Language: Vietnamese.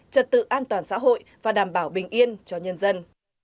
trật tự an toàn xã hội và đảm bảo bình yên cho nhân dân